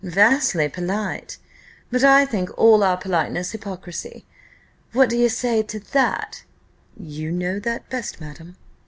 "Vastly polite! But I think all our politeness hypocrisy: what d'ye say to that?" "You know that best, madam!"